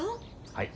はい。